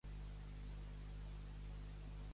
Quan van ser molt populars a les celebracions parroquials?